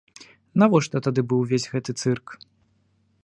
Навошта тады быў увесь гэты цырк?